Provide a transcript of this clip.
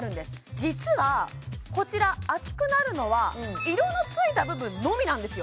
実はこちら熱くなるのは色のついた部分のみなんですよ